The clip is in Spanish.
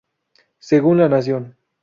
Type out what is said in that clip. Según La Nación.